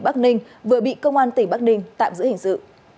bắc ninh vừa bị công an tỉnh bắc ninh tạm giữ hình sự